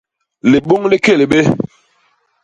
Libôñ li kélbé.